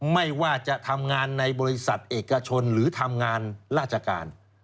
ไม่ว่าจะทำงานในบริษัทเอกชนหรือทำงานราชการ